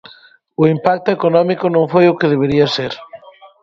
O impacto económico non foi o que debería ser.